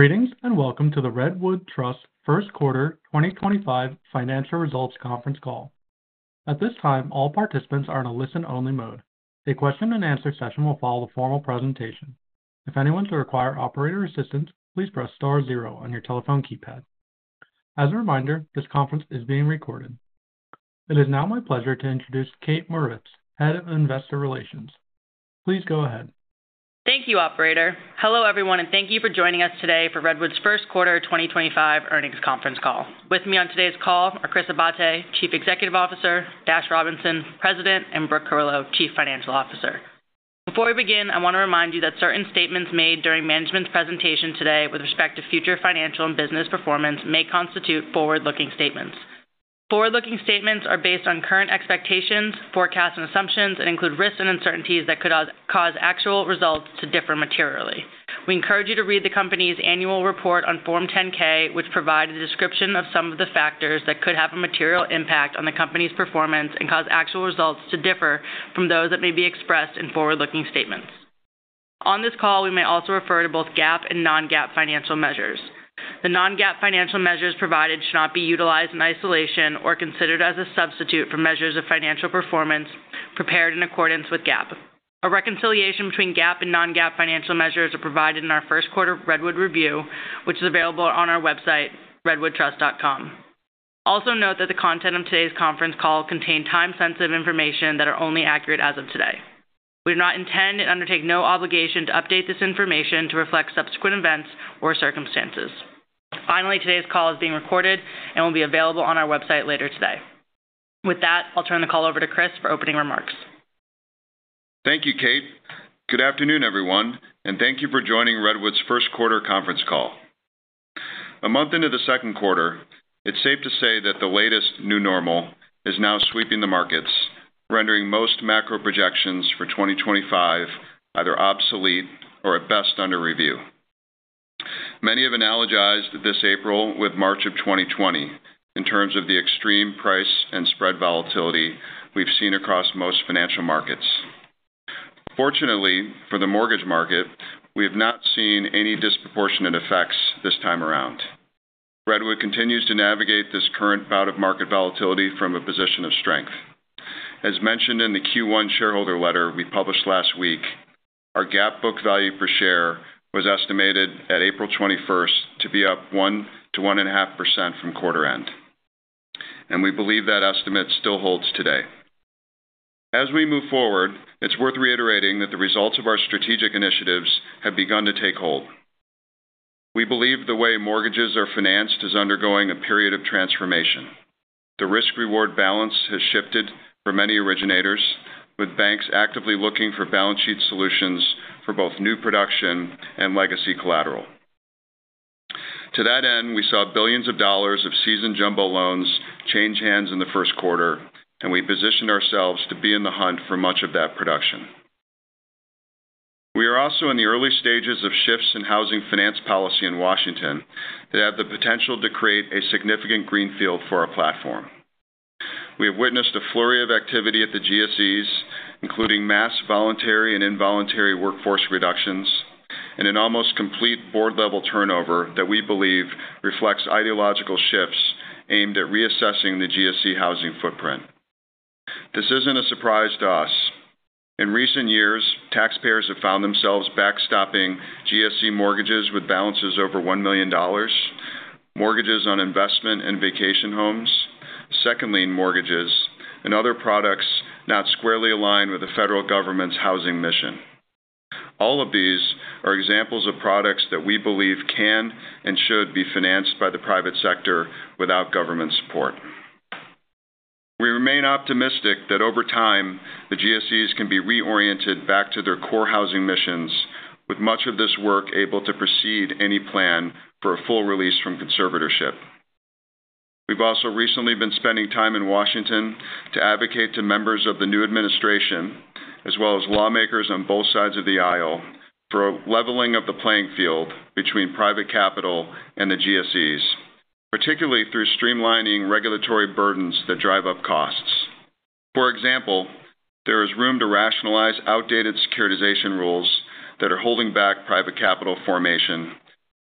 Greetings and welcome to the Redwood Trust First Quarter 2025 Financial Results Conference Call. At this time, all participants are in a listen-only mode. A question-and-answer session will follow the formal presentation. If anyone should require operator assistance, please press star zero on your telephone keypad. As a reminder, this conference is being recorded. It is now my pleasure to introduce Kaitlyn Mauritz, Head of Investor Relations. Please go ahead. Thank you, Operator. Hello, everyone, and thank you for joining us today for Redwood's First Quarter 2025 Earnings Conference Call. With me on today's call are Chris Abate, Chief Executive Officer; Dash Robinson, President; and Brooke Carillo, Chief Financial Officer. Before we begin, I want to remind you that certain statements made during management's presentation today with respect to future financial and business performance may constitute forward-looking statements. Forward-looking statements are based on current expectations, forecasts, and assumptions, and include risks and uncertainties that could cause actual results to differ materially. We encourage you to read the company's annual report on Form 10-K, which provides a description of some of the factors that could have a material impact on the company's performance and cause actual results to differ from those that may be expressed in forward-looking statements. On this call, we may also refer to both GAAP and non-GAAP financial measures. The non-GAAP financial measures provided should not be utilized in isolation or considered as a substitute for measures of financial performance prepared in accordance with GAAP. A reconciliation between GAAP and non-GAAP financial measures is provided in our First Quarter Redwood Review, which is available on our website, redwoodtrust.com. Also note that the content of today's conference call contains time-sensitive information that is only accurate as of today. We do not intend and undertake no obligation to update this information to reflect subsequent events or circumstances. Finally, today's call is being recorded and will be available on our website later today. With that, I'll turn the call over to Chris for opening remarks. Thank you, Kate. Good afternoon, everyone, and thank you for joining Redwood's First Quarter Conference Call. A month into the second quarter, it's safe to say that the latest new normal is now sweeping the markets, rendering most macro projections for 2025 either obsolete or at best under review. Many have analogized this April with March of 2020 in terms of the extreme price and spread volatility we've seen across most financial markets. Fortunately, for the mortgage market, we have not seen any disproportionate effects this time around. Redwood continues to navigate this current bout of market volatility from a position of strength. As mentioned in the Q1 shareholder letter we published last week, our GAAP book value per share was estimated at April 21 to be up 1%-1.5% from quarter-end, and we believe that estimate still holds today. As we move forward, it's worth reiterating that the results of our strategic initiatives have begun to take hold. We believe the way mortgages are financed is undergoing a period of transformation. The risk-reward balance has shifted for many originators, with banks actively looking for balance sheet solutions for both new production and legacy collateral. To that end, we saw billions of dollars of seasoned jumbo loans change hands in the first quarter, and we positioned ourselves to be in the hunt for much of that production. We are also in the early stages of shifts in housing finance policy in Washington that have the potential to create a significant greenfield for our platform. We have witnessed a flurry of activity at the GSEs, including mass voluntary and involuntary workforce reductions and an almost complete board-level turnover that we believe reflects ideological shifts aimed at reassessing the GSE housing footprint. This isn't a surprise to us. In recent years, taxpayers have found themselves backstopping GSE mortgages with balances over $1 million, mortgages on investment and vacation homes, second-line mortgages, and other products not squarely aligned with the federal government's housing mission. All of these are examples of products that we believe can and should be financed by the private sector without government support. We remain optimistic that over time, the GSEs can be reoriented back to their core housing missions, with much of this work able to precede any plan for a full release from conservatorship. We've also recently been spending time in Washington to advocate to members of the new administration, as well as lawmakers on both sides of the aisle, for a leveling of the playing field between private capital and the GSEs, particularly through streamlining regulatory burdens that drive up costs. For example, there is room to rationalize outdated securitization rules that are holding back private capital formation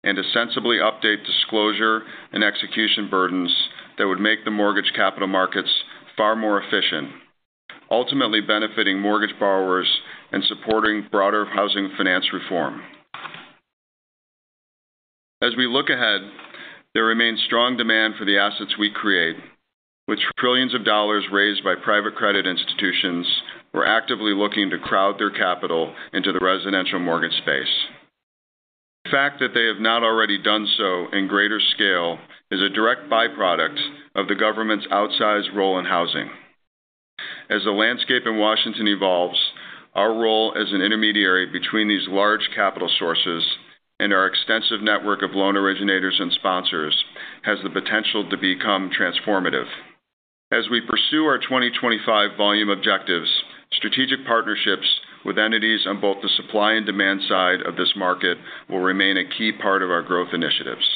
and to sensibly update disclosure and execution burdens that would make the mortgage capital markets far more efficient, ultimately benefiting mortgage borrowers and supporting broader housing finance reform. As we look ahead, there remains strong demand for the assets we create, which trillions of dollars raised by private credit institutions were actively looking to crowd their capital into the residential mortgage space. The fact that they have not already done so in greater scale is a direct byproduct of the government's outsized role in housing. As the landscape in Washington evolves, our role as an intermediary between these large capital sources and our extensive network of loan originators and sponsors has the potential to become transformative. As we pursue our 2025 volume objectives, strategic partnerships with entities on both the supply and demand side of this market will remain a key part of our growth initiatives.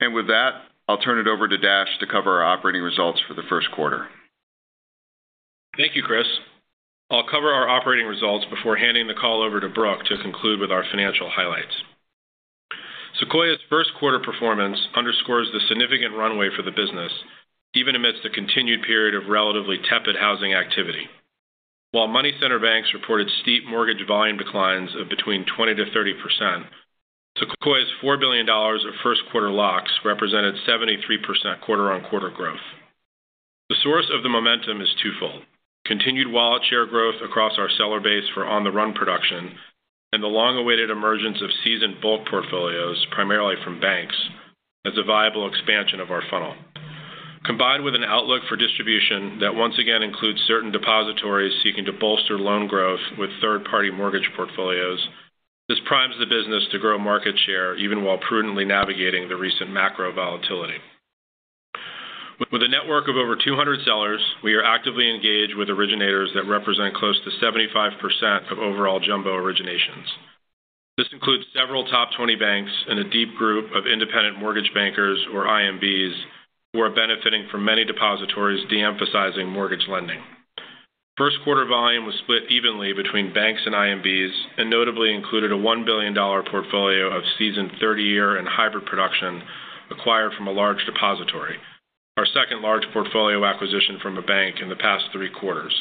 With that, I'll turn it over to Dash to cover our operating results for the first quarter. Thank you, Chris. I'll cover our operating results before handing the call over to Brooke to conclude with our financial highlights. Sequoia's first quarter performance underscores the significant runway for the business, even amidst a continued period of relatively tepid housing activity. While money center banks reported steep mortgage volume declines of between 20%-30%, Sequoia's $4 billion of first quarter locks represented 73% quarter-on-quarter growth. The source of the momentum is twofold: continued wallet share growth across our seller base for on-the-run production and the long-awaited emergence of seasoned bulk portfolios, primarily from banks, as a viable expansion of our funnel. Combined with an outlook for distribution that once again includes certain depositories seeking to bolster loan growth with third-party mortgage portfolios, this primes the business to grow market share even while prudently navigating the recent macro volatility. With a network of over 200 sellers, we are actively engaged with originators that represent close to 75% of overall jumbo originations. This includes several top 20 banks and a deep group of independent mortgage bankers, or IMBs, who are benefiting from many depositories de-emphasizing mortgage lending. First quarter volume was split evenly between banks and IMBs and notably included a $1 billion portfolio of seasoned 30-year and hybrid production acquired from a large depository, our second large portfolio acquisition from a bank in the past three quarters.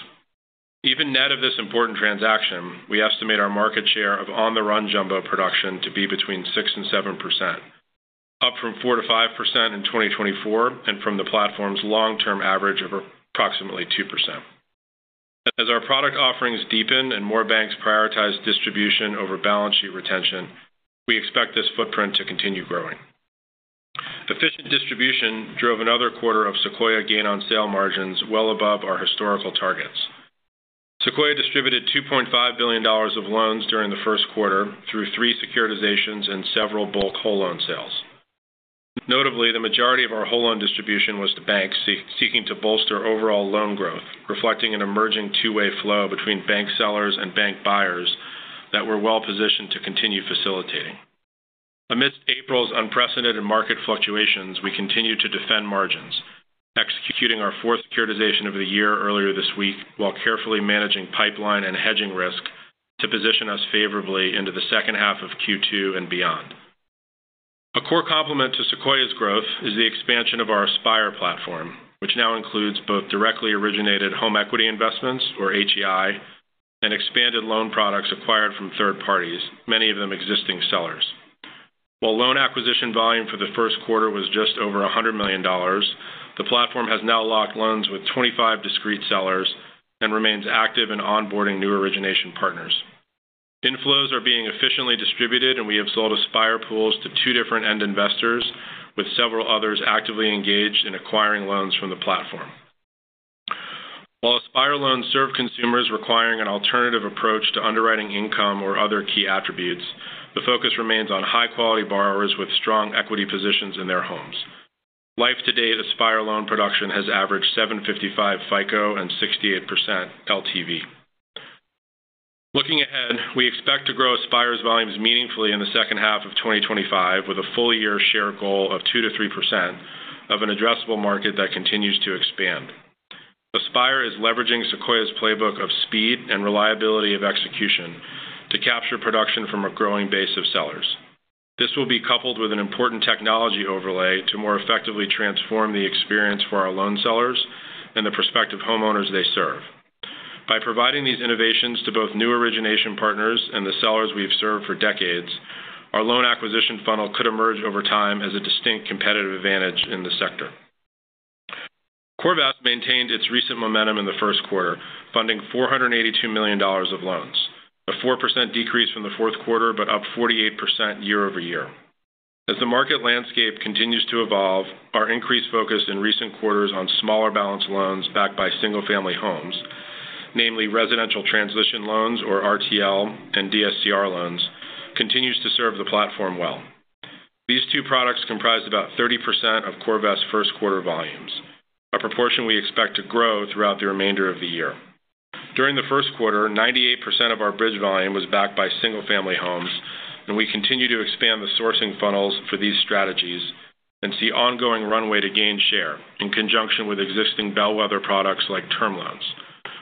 Even net of this important transaction, we estimate our market share of on-the-run jumbo production to be between 6%-7%, up from 4%-5% in 2024 and from the platform's long-term average of approximately 2%. As our product offerings deepen and more banks prioritize distribution over balance sheet retention, we expect this footprint to continue growing. Efficient distribution drove another quarter of Sequoia gain-on-sale margins well above our historical targets. Sequoia distributed $2.5 billion of loans during the first quarter through three securitizations and several bulk whole-loan sales. Notably, the majority of our whole-loan distribution was to banks seeking to bolster overall loan growth, reflecting an emerging two-way flow between bank sellers and bank buyers that we are well-positioned to continue facilitating. Amidst April's unprecedented market fluctuations, we continue to defend margins, executing our fourth securitization of the year earlier this week while carefully managing pipeline and hedging risk to position us favorably into the second half of Q2 and beyond. A core complement to Sequoia's growth is the expansion of our Aspire platform, which now includes both directly originated home equity investments, or HEI, and expanded loan products acquired from third parties, many of them existing sellers. While loan acquisition volume for the first quarter was just over $100 million, the platform has now locked loans with 25 discreet sellers and remains active in onboarding new origination partners. Inflows are being efficiently distributed, and we have sold Aspire pools to two different end investors, with several others actively engaged in acquiring loans from the platform. While Aspire loans serve consumers requiring an alternative approach to underwriting income or other key attributes, the focus remains on high-quality borrowers with strong equity positions in their homes. Life-to-date Aspire loan production has averaged 755 FICO and 68% LTV. Looking ahead, we expect to grow Aspire's volumes meaningfully in the second half of 2025, with a full-year share goal of 2%-3% of an addressable market that continues to expand. Aspire is leveraging Sequoia's playbook of speed and reliability of execution to capture production from a growing base of sellers. This will be coupled with an important technology overlay to more effectively transform the experience for our loan sellers and the prospective homeowners they serve. By providing these innovations to both new origination partners and the sellers we've served for decades, our loan acquisition funnel could emerge over time as a distinct competitive advantage in the sector. CoreVest maintained its recent momentum in the first quarter, funding $482 million of loans, a 4% decrease from the fourth quarter, but up 48% year over year. As the market landscape continues to evolve, our increased focus in recent quarters on smaller balance loans backed by single-family homes, namely residential transition loans, or RTL, and DSCR loans, continues to serve the platform well. These two products comprised about 30% of CoreVest's first quarter volumes, a proportion we expect to grow throughout the remainder of the year. During the first quarter, 98% of our bridge volume was backed by single-family homes, and we continue to expand the sourcing funnels for these strategies and see ongoing runway to gain share in conjunction with existing bellwether products like term loans,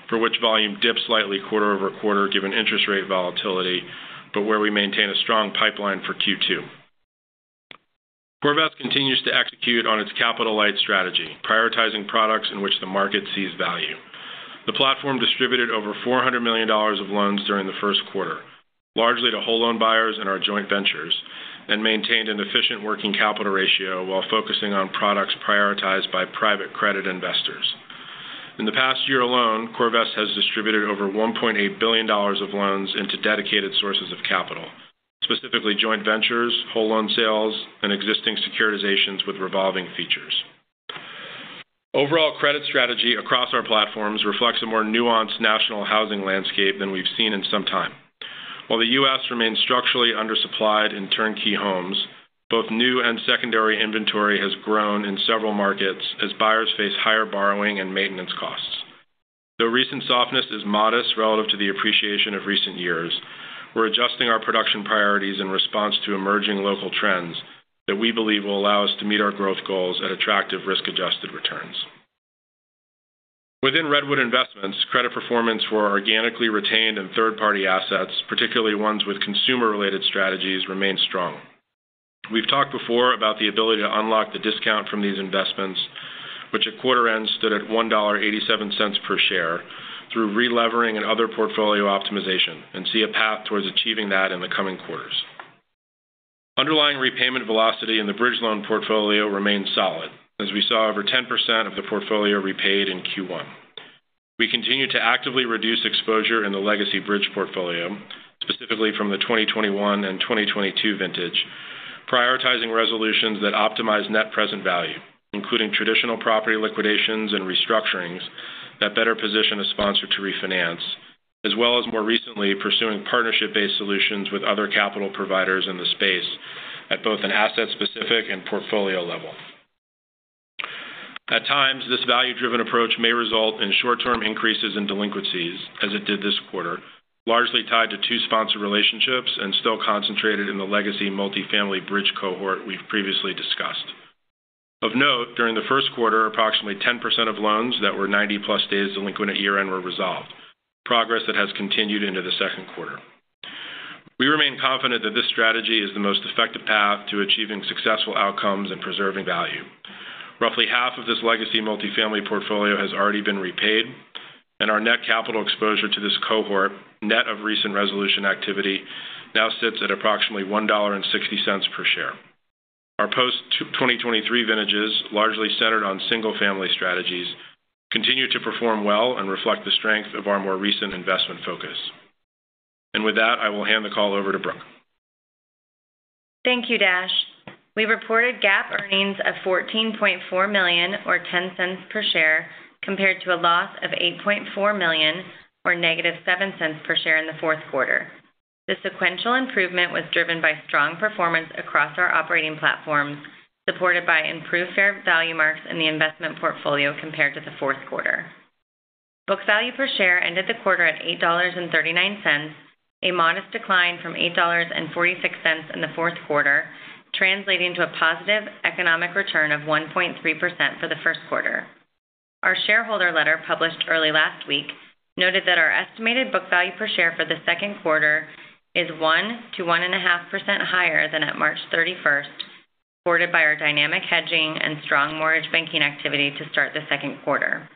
for which volume dips slightly quarter over quarter given interest rate volatility, but where we maintain a strong pipeline for Q2. CoreVest continues to execute on its capital light strategy, prioritizing products in which the market sees value. The platform distributed over $400 million of loans during the first quarter, largely to whole-loan buyers and our joint ventures, and maintained an efficient working capital ratio while focusing on products prioritized by private credit investors. In the past year alone, CoreVest has distributed over $1.8 billion of loans into dedicated sources of capital, specifically joint ventures, whole-loan sales, and existing securitizations with revolving features. Overall credit strategy across our platforms reflects a more nuanced national housing landscape than we've seen in some time. While the U.S. remains structurally undersupplied in turnkey homes, both new and secondary inventory has grown in several markets as buyers face higher borrowing and maintenance costs. Though recent softness is modest relative to the appreciation of recent years, we're adjusting our production priorities in response to emerging local trends that we believe will allow us to meet our growth goals at attractive risk-adjusted returns. Within Redwood Investments, credit performance for organically retained and third-party assets, particularly ones with consumer-related strategies, remains strong. We've talked before about the ability to unlock the discount from these investments, which at quarter-end stood at $1.87 per share, through re-levering and other portfolio optimization, and see a path towards achieving that in the coming quarters. Underlying repayment velocity in the bridge loan portfolio remains solid, as we saw over 10% of the portfolio repaid in Q1. We continue to actively reduce exposure in the legacy bridge portfolio, specifically from the 2021 and 2022 vintage, prioritizing resolutions that optimize net present value, including traditional property liquidations and restructurings that better position a sponsor to refinance, as well as, more recently, pursuing partnership-based solutions with other capital providers in the space at both an asset-specific and portfolio level. At times, this value-driven approach may result in short-term increases in delinquencies, as it did this quarter, largely tied to two sponsor relationships and still concentrated in the legacy multifamily bridge cohort we've previously discussed. Of note, during the first quarter, approximately 10% of loans that were 90-plus days delinquent at year-end were resolved, progress that has continued into the second quarter. We remain confident that this strategy is the most effective path to achieving successful outcomes and preserving value. Roughly half of this legacy multifamily portfolio has already been repaid, and our net capital exposure to this cohort, net of recent resolution activity, now sits at approximately $1.60 per share. Our post-2023 vintages, largely centered on single-family strategies, continue to perform well and reflect the strength of our more recent investment focus. With that, I will hand the call over to Brooke. Thank you, Dash. We reported GAAP earnings of $14.4 million, or $0.10 per share, compared to a loss of $8.4 million, or negative $0.07 per share in the fourth quarter. The sequential improvement was driven by strong performance across our operating platforms, supported by improved fair value marks in the investment portfolio compared to the fourth quarter. Book value per share ended the quarter at $8.39, a modest decline from $8.46 in the fourth quarter, translating to a positive economic return of 1.3% for the first quarter. Our shareholder letter, published early last week, noted that our estimated book value per share for the second quarter is 1%-1.5% higher than at March 31st, supported by our dynamic hedging and strong mortgage banking activity to start the second quarter.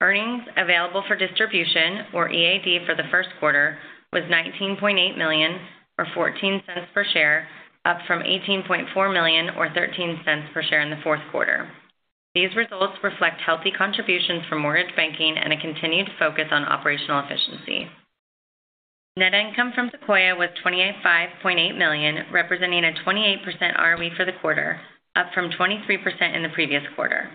Earnings available for distribution, or EAD, for the first quarter was $19.8 million, or $0.14 per share, up from $18.4 million, or $0.13 per share, in the fourth quarter. These results reflect healthy contributions from mortgage banking and a continued focus on operational efficiency. Net income from Sequoia was $25.8 million, representing a 28% ROE for the quarter, up from 23% in the previous quarter.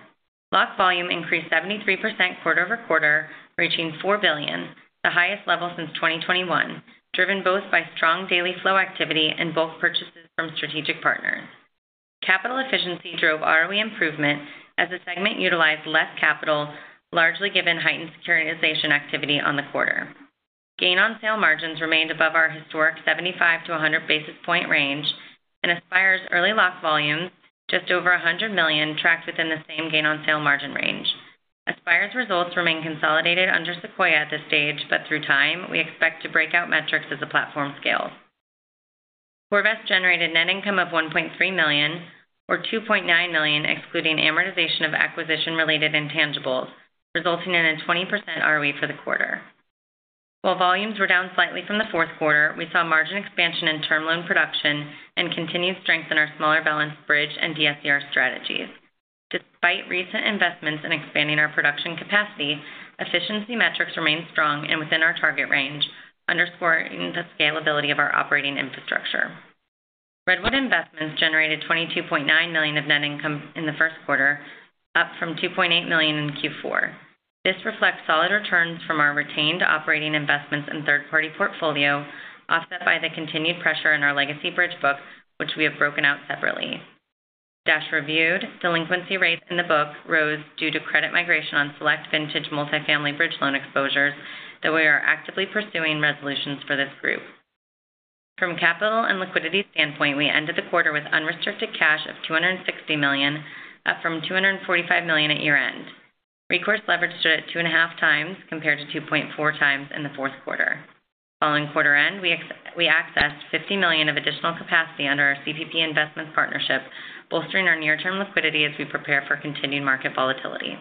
Loss volume increased 73% quarter over quarter, reaching $4 billion, the highest level since 2021, driven both by strong daily flow activity and bulk purchases from strategic partners. Capital efficiency drove ROE improvement as the segment utilized less capital, largely given heightened securitization activity on the quarter. Gain-on-sale margins remained above our historic 75-100 basis point range, and Aspire's early lock volumes, just over $100 million, tracked within the same gain-on-sale margin range. Aspire's results remain consolidated under Sequoia at this stage, but through time, we expect to break out metrics as the platform scales. CoreVest generated net income of $1.3 million, or $2.9 million, excluding amortization of acquisition-related intangibles, resulting in a 20% ROE for the quarter. While volumes were down slightly from the fourth quarter, we saw margin expansion in term loan production and continued strength in our smaller balance bridge and DSCR strategies. Despite recent investments in expanding our production capacity, efficiency metrics remain strong and within our target range, underscoring the scalability of our operating infrastructure. Redwood Investments generated $22.9 million of net income in the first quarter, up from $2.8 million in Q4. This reflects solid returns from our retained operating investments and third-party portfolio, offset by the continued pressure in our legacy bridge book, which we have broken out separately. Dash reviewed delinquency rates in the book rose due to credit migration on select vintage multifamily bridge loan exposures, though we are actively pursuing resolutions for this group. From a capital and liquidity standpoint, we ended the quarter with unrestricted cash of $260 million, up from $245 million at year-end. Recourse leverage stood at 2.5 times compared to 2.4 times in the fourth quarter. Following quarter-end, we accessed $50 million of additional capacity under our CPP Investments partnership, bolstering our near-term liquidity as we prepare for continued market volatility.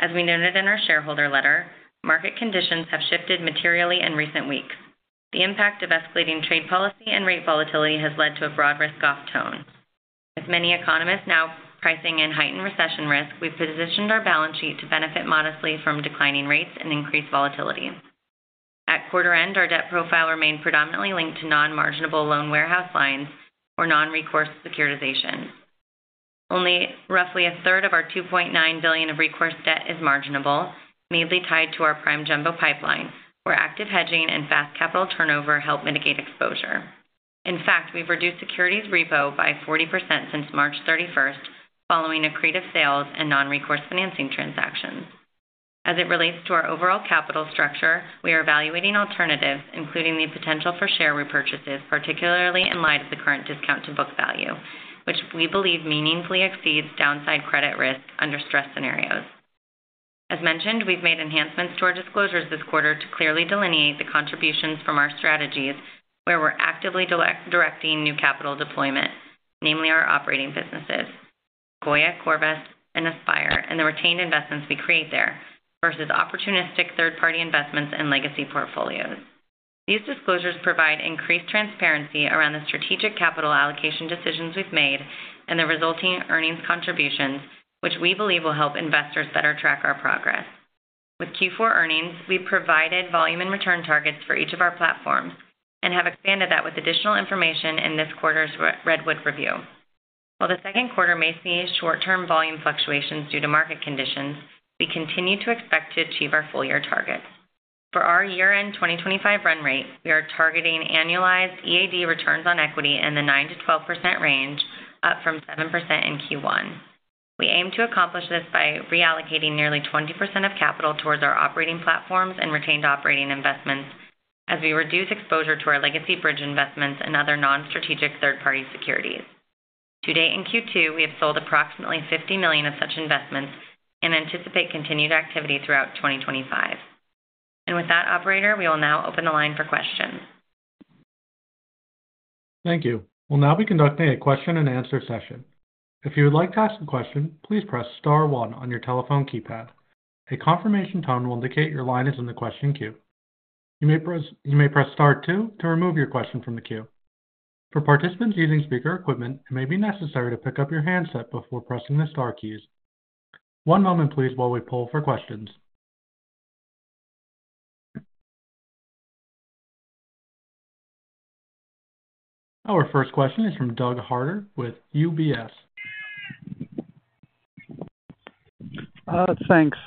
As we noted in our shareholder letter, market conditions have shifted materially in recent weeks. The impact of escalating trade policy and rate volatility has led to a broad risk-off tone. With many economists now pricing in heightened recession risk, we've positioned our balance sheet to benefit modestly from declining rates and increased volatility. At quarter-end, our debt profile remained predominantly linked to non-marginable loan warehouse lines or non-recourse securitizations. Only roughly a third of our $2.9 billion of recourse debt is marginable, mainly tied to our Prime Jumbo pipeline, where active hedging and fast capital turnover help mitigate exposure. In fact, we've reduced securities repo by 40% since March 31, following a creed of sales and non-recourse financing transactions. As it relates to our overall capital structure, we are evaluating alternatives, including the potential for share repurchases, particularly in light of the current discount to book value, which we believe meaningfully exceeds downside credit risk under stress scenarios. As mentioned, we've made enhancements to our disclosures this quarter to clearly delineate the contributions from our strategies where we're actively directing new capital deployment, namely our operating businesses: Sequoia, CoreVest, and Aspire, and the retained investments we create there versus opportunistic third-party investments and legacy portfolios. These disclosures provide increased transparency around the strategic capital allocation decisions we've made and the resulting earnings contributions, which we believe will help investors better track our progress. With Q4 earnings, we've provided volume and return targets for each of our platforms and have expanded that with additional information in this quarter's Redwood Review. While the second quarter may see short-term volume fluctuations due to market conditions, we continue to expect to achieve our full-year target. For our year-end 2025 run rate, we are targeting annualized EAD returns on equity in the 9%-12% range, up from 7% in Q1. We aim to accomplish this by reallocating nearly 20% of capital towards our operating platforms and retained operating investments as we reduce exposure to our legacy bridge investments and other non-strategic third-party securities. To date in Q2, we have sold approximately $50 million of such investments and anticipate continued activity throughout 2025. With that, Operator, we will now open the line for questions. Thank you. We'll now be conducting a question-and-answer session. If you would like to ask a question, please press star one on your telephone keypad. A confirmation tone will indicate your line is in the question queue. You may press star two to remove your question from the queue. For participants using speaker equipment, it may be necessary to pick up your handset before pressing the star keys. One moment, please, while we pull for questions. Our first question is from Doug Harter with UBS. Thanks.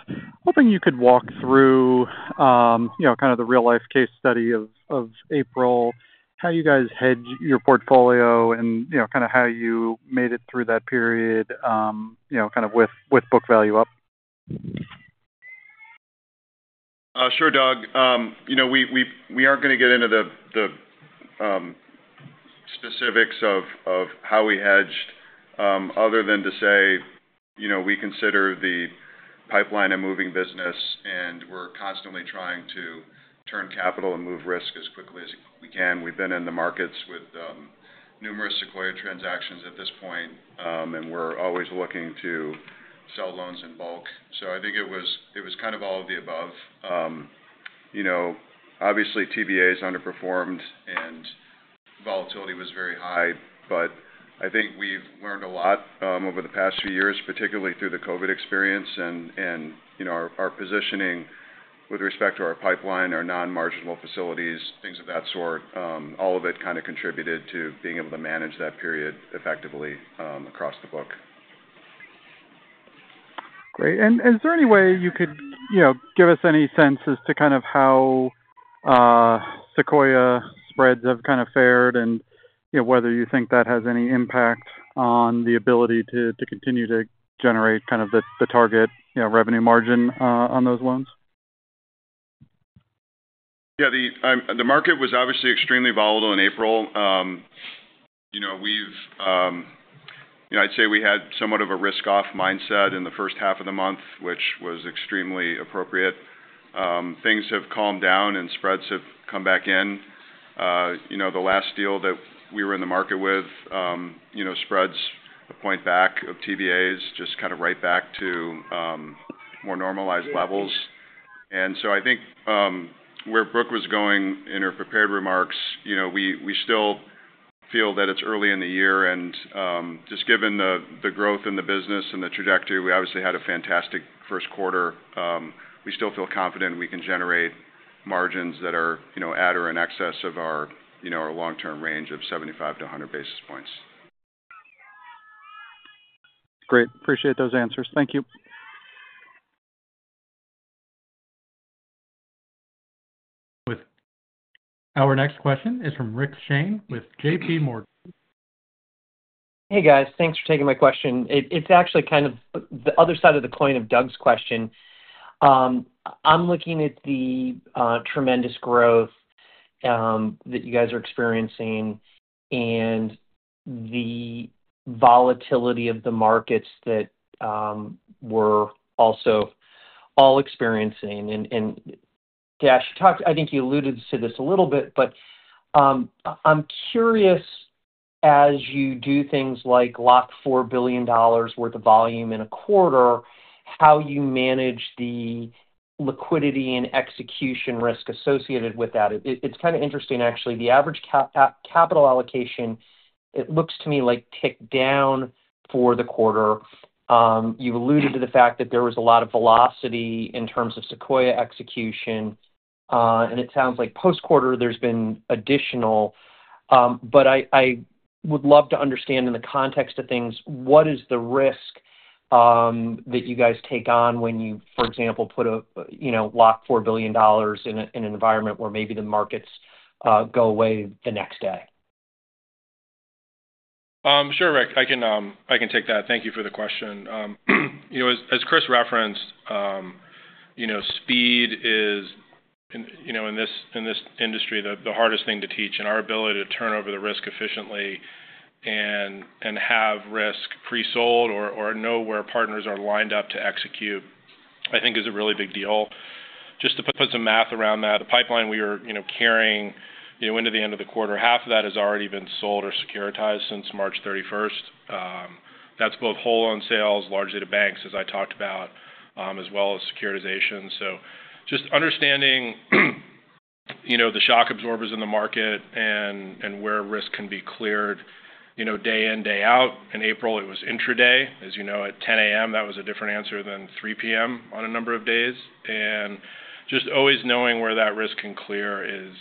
Hoping you could walk through kind of the real-life case study of April, how you guys hedge your portfolio, and kind of how you made it through that period kind of with book value up? Sure, Doug. We aren't going to get into the specifics of how we hedged other than to say we consider the pipeline a moving business, and we're constantly trying to turn capital and move risk as quickly as we can. We've been in the markets with numerous Sequoia transactions at this point, and we're always looking to sell loans in bulk. I think it was kind of all of the above. Obviously, TBAs underperformed, and volatility was very high, but I think we've learned a lot over the past few years, particularly through the COVID experience, and our positioning with respect to our pipeline, our non-marginal facilities, things of that sort. All of it kind of contributed to being able to manage that period effectively across the book. Great. Is there any way you could give us any sense as to kind of how Sequoia spreads have kind of fared and whether you think that has any impact on the ability to continue to generate kind of the target revenue margin on those loans? Yeah. The market was obviously extremely volatile in April. I'd say we had somewhat of a risk-off mindset in the first half of the month, which was extremely appropriate. Things have calmed down, and spreads have come back in. The last deal that we were in the market with, spreads a point back of TBAs, just kind of right back to more normalized levels. I think where Brooke was going in her prepared remarks, we still feel that it's early in the year. Just given the growth in the business and the trajectory, we obviously had a fantastic first quarter. We still feel confident we can generate margins that are at or in excess of our long-term range of 75-100 basis points. Great. Appreciate those answers. Thank you. Our next question is from Rick Shane with JPMorgan. Hey, guys. Thanks for taking my question. It's actually kind of the other side of the coin of Doug's question. I'm looking at the tremendous growth that you guys are experiencing and the volatility of the markets that we're also all experiencing. Dash, I think you alluded to this a little bit, but I'm curious, as you do things like lock $4 billion worth of volume in a quarter, how you manage the liquidity and execution risk associated with that. It's kind of interesting, actually. The average capital allocation, it looks to me like ticked down for the quarter. You alluded to the fact that there was a lot of velocity in terms of Sequoia execution, and it sounds like post-quarter there's been additional. I would love to understand, in the context of things, what is the risk that you guys take on when you, for example, put a lock $4 billion in an environment where maybe the markets go away the next day? Sure, Rick. I can take that. Thank you for the question. As Chris referenced, speed is, in this industry, the hardest thing to teach. Our ability to turn over the risk efficiently and have risk pre-sold or know where partners are lined up to execute, I think, is a really big deal. Just to put some math around that, the pipeline we were carrying into the end of the quarter, half of that has already been sold or securitized since March 31. That is both whole-owned sales, largely to banks, as I talked about, as well as securitization. Just understanding the shock absorbers in the market and where risk can be cleared day in, day out. In April, it was intraday. As you know, at 10:00 A.M., that was a different answer than 3:00 P.M. on a number of days. Just always knowing where that risk can clear is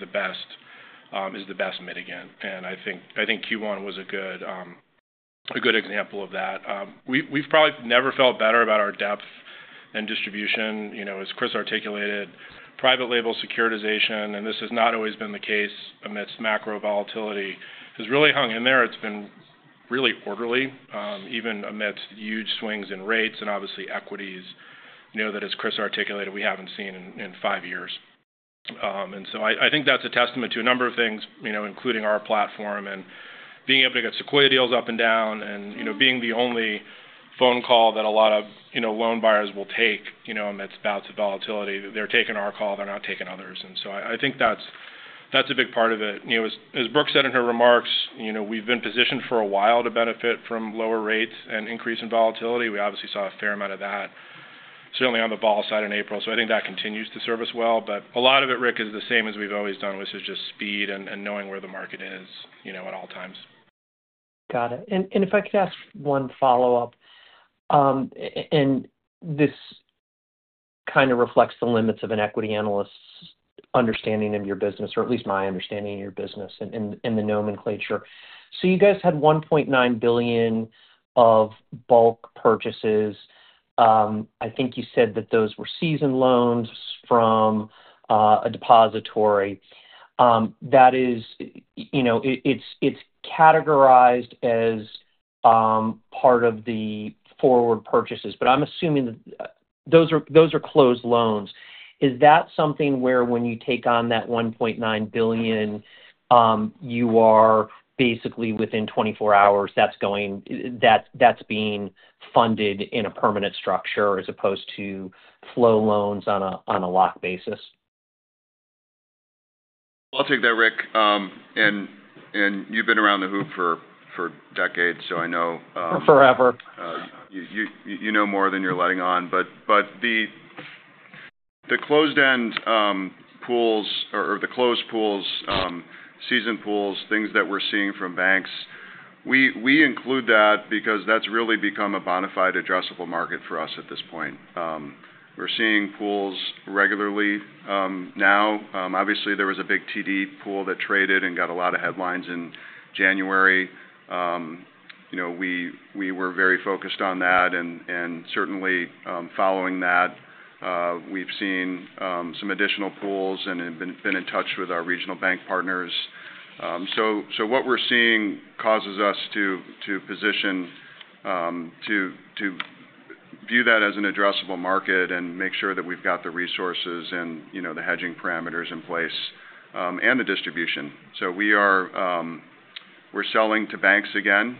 the best mitigant. I think Q1 was a good example of that. We've probably never felt better about our depth and distribution. As Chris articulated, private label securitization, and this has not always been the case amidst macro volatility, has really hung in there. It's been really orderly, even amidst huge swings in rates and obviously equities that, as Chris articulated, we haven't seen in five years. I think that's a testament to a number of things, including our platform and being able to get Sequoia deals up and down and being the only phone call that a lot of loan buyers will take amidst bouts of volatility. They're taking our call. They're not taking others. I think that's a big part of it. As Brooke said in her remarks, we've been positioned for a while to benefit from lower rates and increase in volatility. We obviously saw a fair amount of that, certainly on the vol side in April. I think that continues to serve us well. A lot of it, Rick, is the same as we've always done, which is just speed and knowing where the market is at all times. Got it. If I could ask one follow-up, and this kind of reflects the limits of an equity analyst's understanding of your business, or at least my understanding of your business and the nomenclature. You guys had $1.9 billion of bulk purchases. I think you said that those were seasoned loans from a depository. That is, it's categorized as part of the forward purchases, but I'm assuming those are closed loans. Is that something where, when you take on that $1.9 billion, you are basically within 24 hours that's being funded in a permanent structure as opposed to flow loans on a lock basis? I'll take that, Rick. You've been around the hoop for decades, so I know. Forever. You know more than you're letting on. The closed-end pools or the closed pools, seasoned pools, things that we're seeing from banks, we include that because that's really become a bona fide addressable market for us at this point. We're seeing pools regularly now. Obviously, there was a big TD Bank pool that traded and got a lot of headlines in January. We were very focused on that. Certainly, following that, we've seen some additional pools and have been in touch with our regional bank partners. What we're seeing causes us to position to view that as an addressable market and make sure that we've got the resources and the hedging parameters in place and the distribution. We're selling to banks again.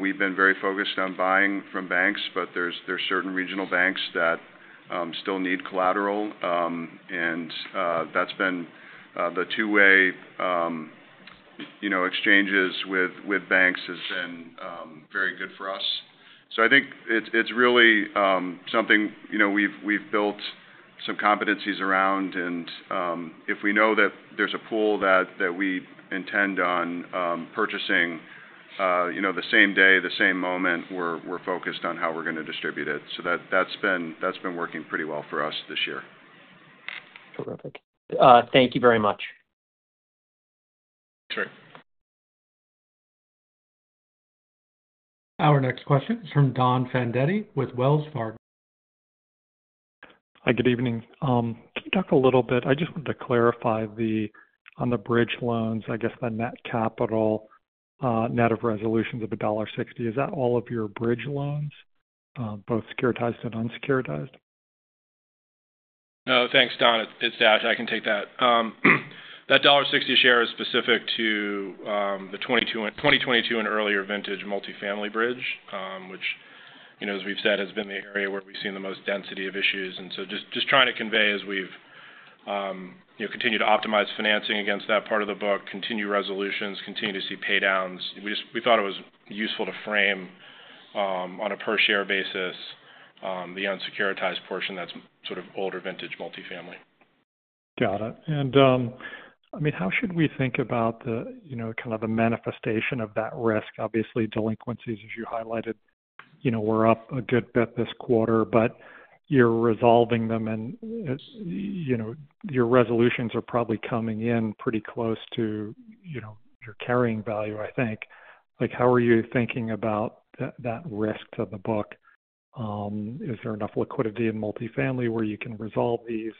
We've been very focused on buying from banks, but there's certain regional banks that still need collateral. That has been the two-way exchanges with banks has been very good for us. I think it is really something we have built some competencies around. If we know that there is a pool that we intend on purchasing the same day, the same moment, we are focused on how we are going to distribute it. That has been working pretty well for us this year. Terrific. Thank you very much. Thanks, Rick. Our next question is from Don Fandetti with Wells Fargo. Hi, good evening. Can you talk a little bit? I just want to clarify the, on the bridge loans, I guess the net capital, net of resolutions of $1.60. Is that all of your bridge loans, both securitized and unsecuritized? Thanks, Don. It's Dash. I can take that. That $1.60 share is specific to the 2022 and earlier vintage multifamily bridge, which, as we've said, has been the area where we've seen the most density of issues. Just trying to convey as we've continued to optimize financing against that part of the book, continue resolutions, continue to see paydowns. We thought it was useful to frame on a per-share basis the unsecuritized portion that's sort of older vintage multifamily. Got it. I mean, how should we think about kind of the manifestation of that risk? Obviously, delinquencies, as you highlighted, were up a good bit this quarter, but you're resolving them, and your resolutions are probably coming in pretty close to your carrying value, I think. How are you thinking about that risk to the book? Is there enough liquidity in multifamily where you can resolve these,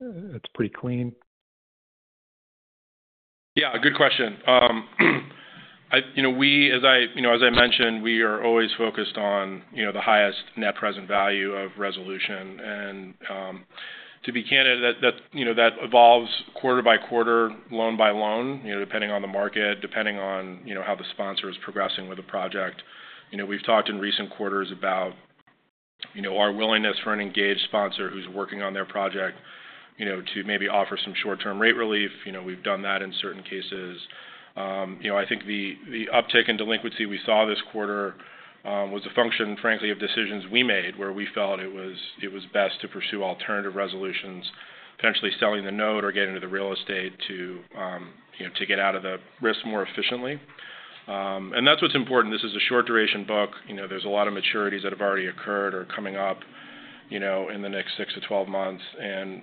and it's pretty clean? Yeah, good question. As I mentioned, we are always focused on the highest net present value of resolution. To be candid, that evolves quarter by quarter, loan by loan, depending on the market, depending on how the sponsor is progressing with a project. We've talked in recent quarters about our willingness for an engaged sponsor who's working on their project to maybe offer some short-term rate relief. We've done that in certain cases. I think the uptick in delinquency we saw this quarter was a function, frankly, of decisions we made where we felt it was best to pursue alternative resolutions, potentially selling the note or getting into the real estate to get out of the risk more efficiently. That's what's important. This is a short-duration book. There's a lot of maturities that have already occurred or are coming up in the next 6-12 months.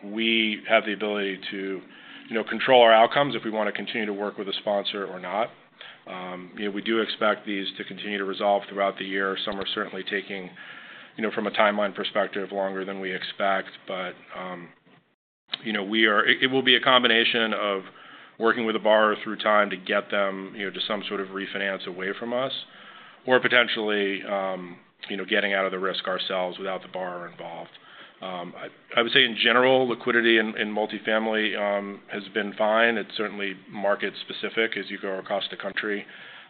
We have the ability to control our outcomes if we want to continue to work with a sponsor or not. We do expect these to continue to resolve throughout the year. Some are certainly taking, from a timeline perspective, longer than we expect. It will be a combination of working with a borrower through time to get them to some sort of refinance away from us or potentially getting out of the risk ourselves without the borrower involved. I would say, in general, liquidity in multifamily has been fine. It is certainly market-specific as you go across the country.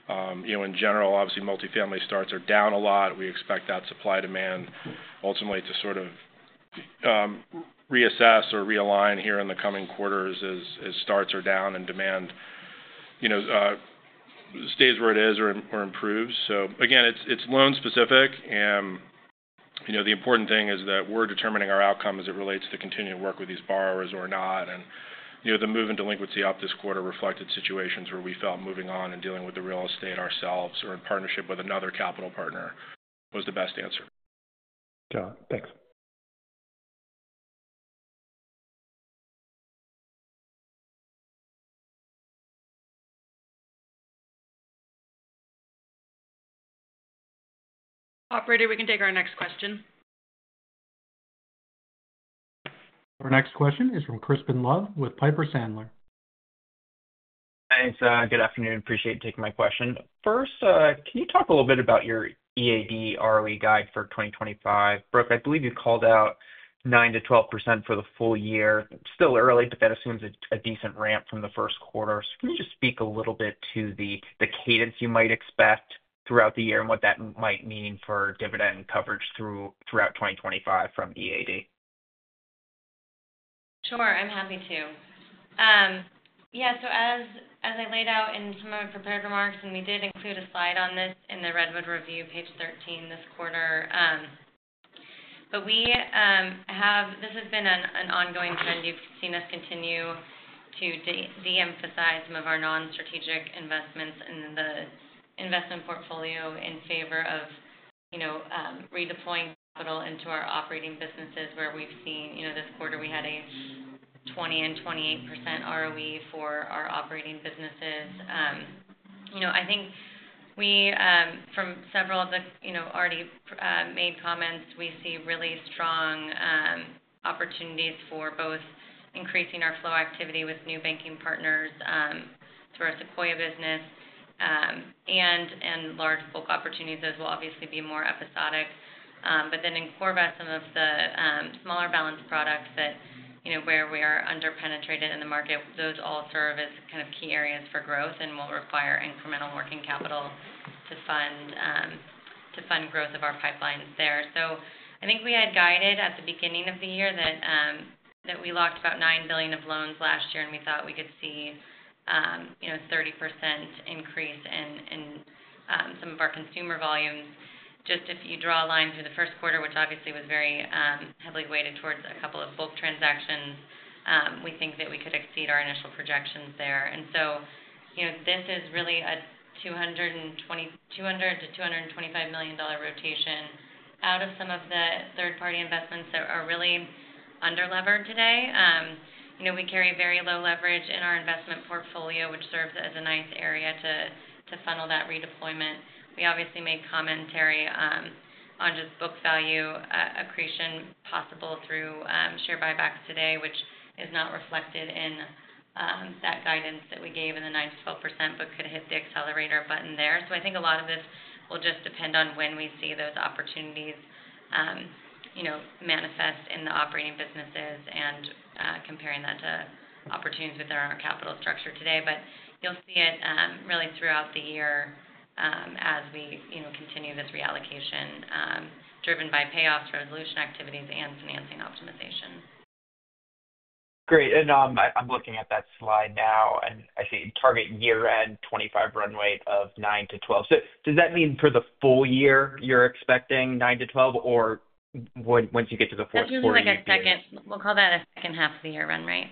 In general, obviously, multifamily starts are down a lot. We expect that supply-demand ultimately to sort of reassess or realign here in the coming quarters as starts are down and demand stays where it is or improves. It is loan-specific. The important thing is that we're determining our outcome as it relates to continuing to work with these borrowers or not. The move in delinquency up this quarter reflected situations where we felt moving on and dealing with the real estate ourselves or in partnership with another capital partner was the best answer. Got it. Thanks. Operator, we can take our next question. Our next question is from Crispin Love with Piper Sandler. Hi, Dash. Good afternoon. Appreciate you taking my question. First, can you talk a little bit about your EAD ROE guide for 2025? Brooke, I believe you called out 9%-12% for the full year. Still early, but that assumes a decent ramp from the first quarter. Can you just speak a little bit to the cadence you might expect throughout the year and what that might mean for dividend coverage throughout 2025 from EAD? Sure. I'm happy to. Yeah. As I laid out in some of my prepared remarks, and we did include a slide on this in the Redwood Review page 13 this quarter. This has been an ongoing trend. You've seen us continue to de-emphasize some of our non-strategic investments in the investment portfolio in favor of redeploying capital into our operating businesses where we've seen this quarter we had a 20% and 28% ROE for our operating businesses. I think from several of the already made comments, we see really strong opportunities for both increasing our flow activity with new banking partners through our Sequoia business and large bulk opportunities. Those will obviously be more episodic. In CoreVest, some of the smaller balance products where we are under-penetrated in the market, those all serve as kind of key areas for growth and will require incremental working capital to fund growth of our pipelines there. I think we had guided at the beginning of the year that we locked about $9 billion of loans last year, and we thought we could see a 30% increase in some of our consumer volumes. Just if you draw a line through the first quarter, which obviously was very heavily weighted towards a couple of bulk transactions, we think that we could exceed our initial projections there. This is really a $200-$225 million rotation out of some of the third-party investments that are really under-levered today. We carry very low leverage in our investment portfolio, which serves as a nice area to funnel that redeployment. We obviously made commentary on just book value accretion possible through share buybacks today, which is not reflected in that guidance that we gave in the 9%-12% but could hit the accelerator button there. I think a lot of this will just depend on when we see those opportunities manifest in the operating businesses and comparing that to opportunities within our capital structure today. You will see it really throughout the year as we continue this reallocation driven by payoffs, resolution activities, and financing optimization. Great. I'm looking at that slide now, and I see target year-end 2025 run rate of 9-12. Does that mean for the full year you're expecting 9-12, or once you get to the fourth quarter? It seems like a second. We'll call that a second half of the year run rate.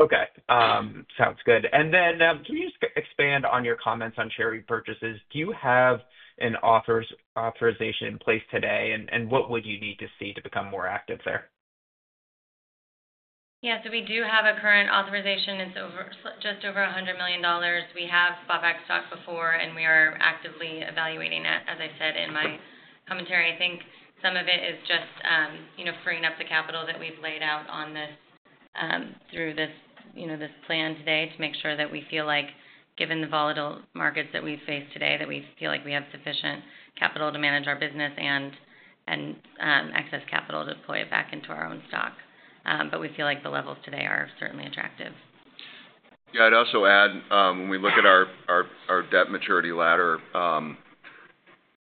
Okay. Sounds good. Can you just expand on your comments on share repurchases? Do you have an authorization in place today, and what would you need to see to become more active there? Yeah. We do have a current authorization. It's just over $100 million. We have bought back stock before, and we are actively evaluating it, as I said in my commentary. I think some of it is just freeing up the capital that we've laid out on this through this plan today to make sure that we feel like, given the volatile markets that we've faced today, that we feel like we have sufficient capital to manage our business and excess capital to deploy it back into our own stock. We feel like the levels today are certainly attractive. Yeah. I'd also add, when we look at our debt maturity ladder,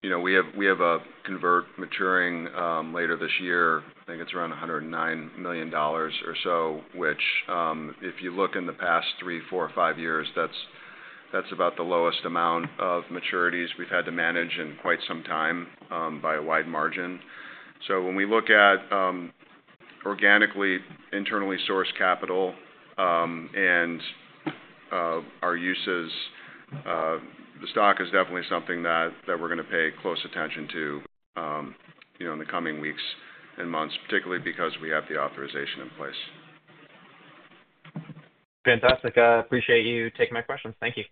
we have a convert maturing later this year. I think it's around $109 million or so, which, if you look in the past three, four, or five years, that's about the lowest amount of maturities we've had to manage in quite some time by a wide margin. When we look at organically internally sourced capital and our uses, the stock is definitely something that we're going to pay close attention to in the coming weeks and months, particularly because we have the authorization in place. Fantastic. I appreciate you taking my questions. Thank you.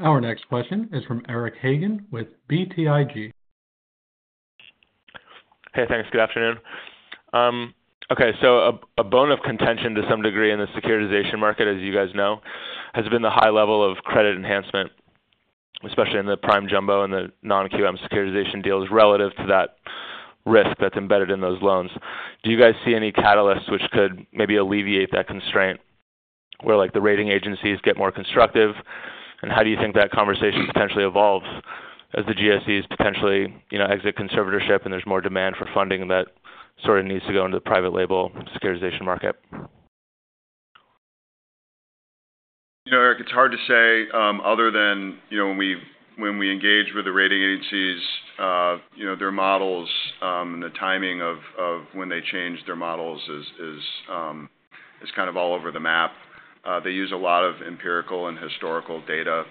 Our next question is from Eric Hagen with BTIG. Hey, thanks. Good afternoon. Okay. A bone of contention to some degree in the securitization market, as you guys know, has been the high level of credit enhancement, especially in the prime jumbo and the non-QM securitization deals relative to that risk that's embedded in those loans. Do you guys see any catalysts which could maybe alleviate that constraint where the rating agencies get more constructive? How do you think that conversation potentially evolves as the GSEs potentially exit conservatorship and there's more demand for funding that sort of needs to go into the private label securitization market? Eric, it's hard to say other than when we engage with the rating agencies, their models and the timing of when they change their models is kind of all over the map. They use a lot of empirical and historical data.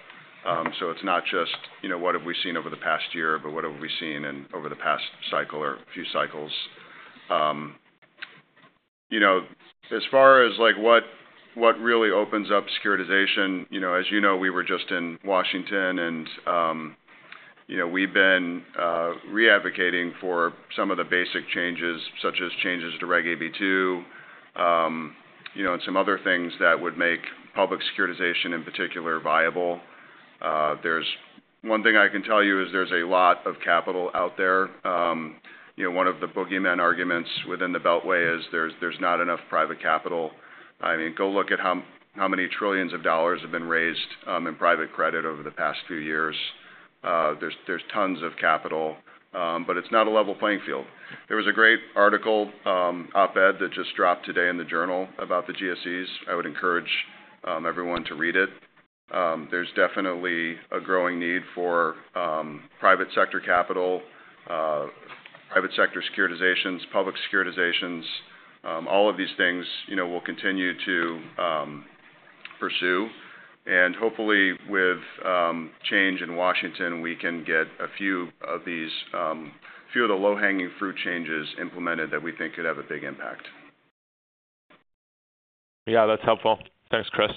So it's not just, "What have we seen over the past year?" but, "What have we seen over the past cycle or a few cycles?" As far as what really opens up securitization, as you know, we were just in Washington, and we've been re-advocating for some of the basic changes, such as changes to Reg AB2 and some other things that would make public securitization, in particular, viable. There's one thing I can tell you is there's a lot of capital out there. One of the boogeyman arguments within the Beltway is there's not enough private capital. I mean, go look at how many trillions of dollars have been raised in private credit over the past few years. There's tons of capital, but it's not a level playing field. There was a great article, Abate, that just dropped today in the Journal about the GSEs. I would encourage everyone to read it. There's definitely a growing need for private sector capital, private sector securitizations, public securitizations. All of these things we will continue to pursue. Hopefully, with change in Washington, we can get a few of these low-hanging fruit changes implemented that we think could have a big impact. Yeah, that's helpful. Thanks, Chris.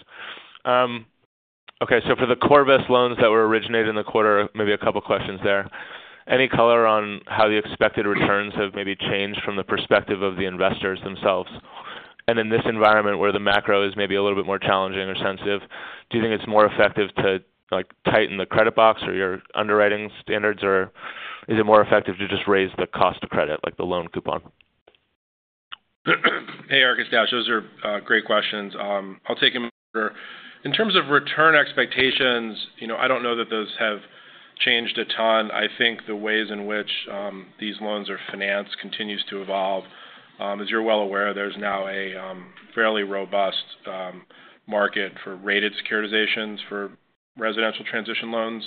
Okay. For the CoreVest loans that were originated in the quarter, maybe a couple of questions there. Any color on how the expected returns have maybe changed from the perspective of the investors themselves? In this environment where the macro is maybe a little bit more challenging or sensitive, do you think it's more effective to tighten the credit box or your underwriting standards, or is it more effective to just raise the cost of credit, like the loan coupon? Hey, Eric, Dashiell. Those are great questions. I'll take them. In terms of return expectations, I don't know that those have changed a ton. I think the ways in which these loans are financed continues to evolve. As you're well aware, there's now a fairly robust market for rated securitizations for residential transition loans.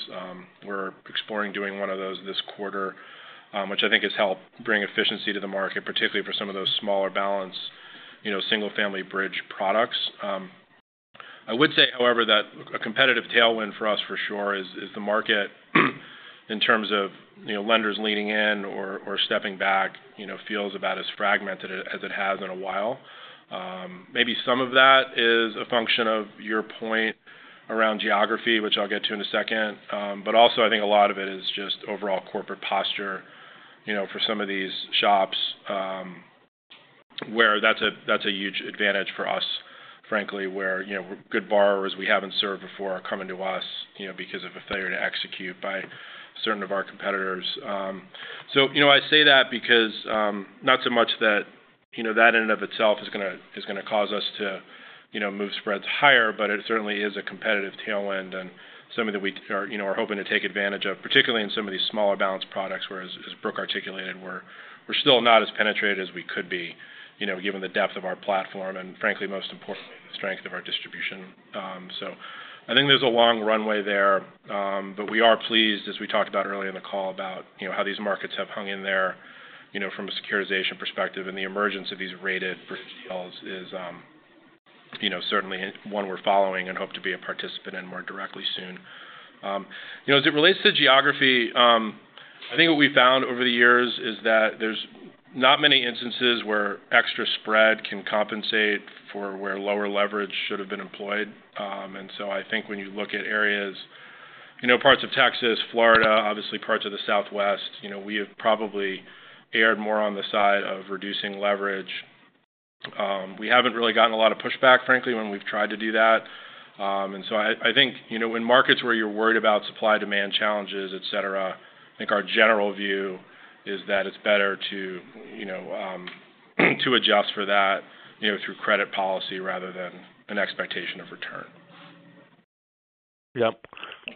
We're exploring doing one of those this quarter, which I think has helped bring efficiency to the market, particularly for some of those smaller balance single-family bridge products. I would say, however, that a competitive tailwind for us for sure is the market in terms of lenders leaning in or stepping back feels about as fragmented as it has in a while. Maybe some of that is a function of your point around geography, which I'll get to in a second. Also, I think a lot of it is just overall corporate posture for some of these shops where that's a huge advantage for us, frankly, where good borrowers we haven't served before are coming to us because of a failure to execute by certain of our competitors. I say that because not so much that that in and of itself is going to cause us to move spreads higher, but it certainly is a competitive tailwind and something that we are hoping to take advantage of, particularly in some of these smaller balance products where, as Brooke articulated, we're still not as penetrated as we could be given the depth of our platform and, frankly, most importantly, the strength of our distribution. I think there's a long runway there, but we are pleased, as we talked about earlier in the call, about how these markets have hung in there from a securitization perspective. The emergence of these rated bridge deals is certainly one we're following and hope to be a participant in more directly soon. As it relates to geography, I think what we found over the years is that there's not many instances where extra spread can compensate for where lower leverage should have been employed. I think when you look at areas, parts of Texas, Florida, obviously parts of the Southwest, we have probably erred more on the side of reducing leverage. We haven't really gotten a lot of pushback, frankly, when we've tried to do that. I think when markets where you're worried about supply-demand challenges, etc., I think our general view is that it's better to adjust for that through credit policy rather than an expectation of return. Yep.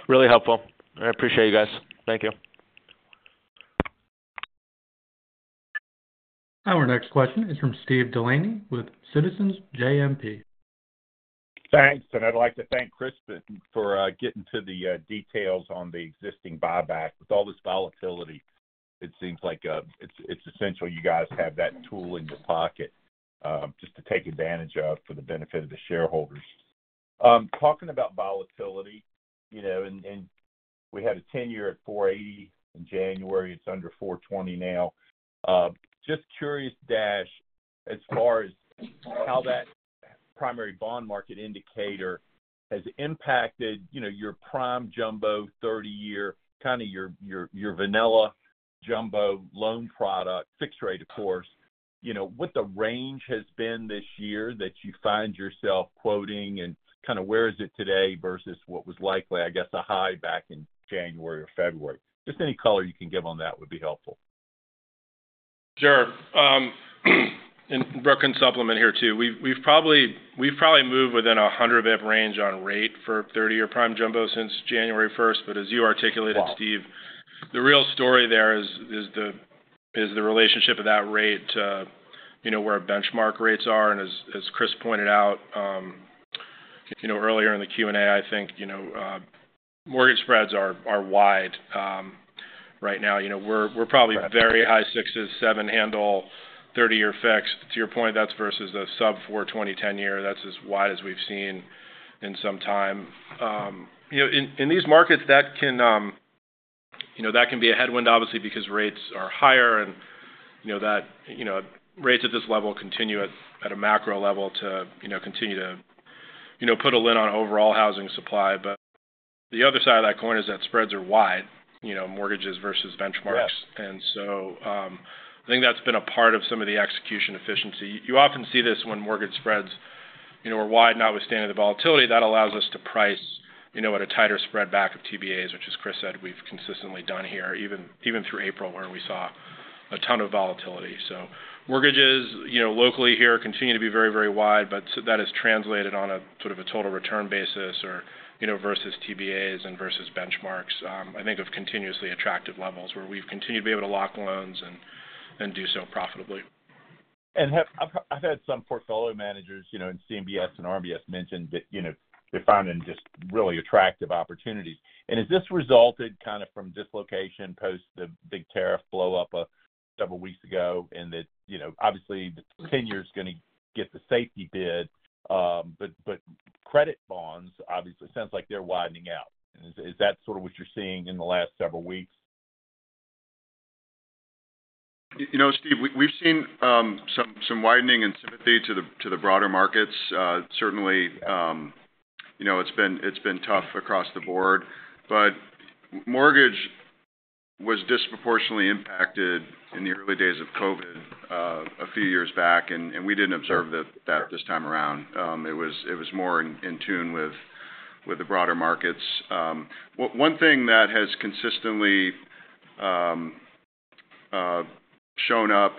Really helpful. I appreciate you guys. Thank you. Our next question is from Steve Delaney with Citizens JMP. Thanks. I would like to thank Chris for getting to the details on the existing buyback. With all this volatility, it seems like it's essential you guys have that tool in your pocket just to take advantage of for the benefit of the shareholders. Talking about volatility, we had a 10-year at 480 in January. It's under 420 now. Just curious as far as how that primary bond market indicator has impacted your prime jumbo 30-year, kind of your vanilla jumbo loan product, fixed rate, of course. What the range has been this year that you find yourself quoting and kind of where is it today versus what was likely, I guess, a high back in January or February? Just any color you can give on that would be helpful. Sure. Brooke can supplement here too. We've probably moved within a 100 basis point range on rate for 30-year prime jumbo since January 1. As you articulated, Steve, the real story there is the relationship of that rate to where benchmark rates are. As Chris pointed out earlier in the Q&A, I think mortgage spreads are wide right now. We're probably very high 6s, 7 handle 30-year fixed. To your point, that's versus a sub 4.20 10-year. That's as wide as we've seen in some time. In these markets, that can be a headwind, obviously, because rates are higher and that rates at this level continue at a macro level to continue to put a lid on overall housing supply. The other side of that coin is that spreads are wide, mortgages versus benchmarks. I think that's been a part of some of the execution efficiency. You often see this when mortgage spreads are wide, notwithstanding the volatility. That allows us to price at a tighter spread back of TBAs, which, as Chris said, we've consistently done here, even through April where we saw a ton of volatility. Mortgages locally here continue to be very, very wide, but that has translated on a sort of a total return basis versus TBAs and versus benchmarks, I think, of continuously attractive levels where we've continued to be able to lock loans and do so profitably. I've had some portfolio managers in CMBS and RMBS mention that they're finding just really attractive opportunities. Has this resulted kind of from dislocation post the big tariff blow-up a couple of weeks ago? Obviously, the 10-year is going to get the safety bid, but credit bonds, obviously, it sounds like they're widening out. Is that sort of what you're seeing in the last several weeks? Steve, we've seen some widening in sympathy to the broader markets. Certainly, it's been tough across the board. Mortgage was disproportionately impacted in the early days of COVID a few years back, and we didn't observe that this time around. It was more in tune with the broader markets. One thing that has consistently shown up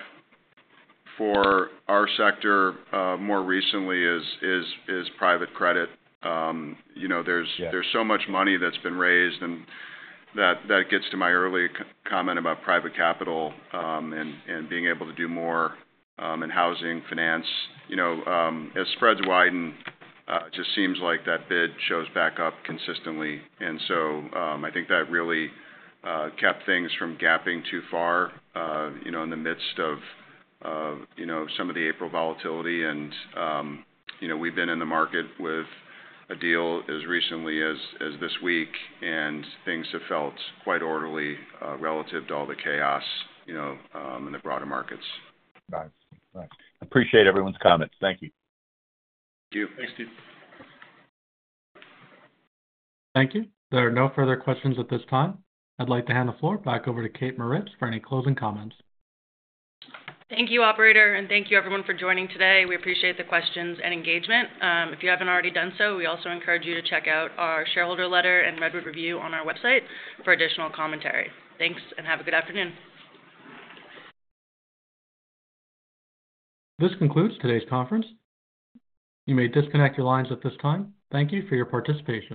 for our sector more recently is private credit. There's so much money that's been raised, and that gets to my early comment about private capital and being able to do more in housing finance. As spreads widen, it just seems like that bid shows back up consistently. I think that really kept things from gapping too far in the midst of some of the April volatility. We have been in the market with a deal as recently as this week, and things have felt quite orderly relative to all the chaos in the broader markets. Nice. Nice. Appreciate everyone's comments. Thank you. Thank you. Thanks, Steve. Thank you. There are no further questions at this time. I'd like to hand the floor back over to Kaitlyn Mauritz for any closing comments. Thank you, operator, and thank you, everyone, for joining today. We appreciate the questions and engagement. If you have not already done so, we also encourage you to check out our shareholder letter and Redwood Review on our website for additional commentary. Thanks, and have a good afternoon. This concludes today's conference. You may disconnect your lines at this time. Thank you for your participation.